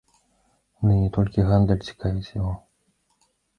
Ды не толькі гандаль цікавіць яго.